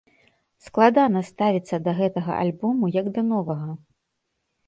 Складана ставіцца да гэтага альбому як да новага.